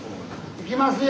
行きますよ！